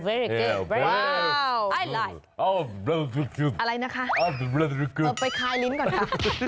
ว้าวไอล่าอะไรนะคะไปคายลิ้นก่อนค่ะ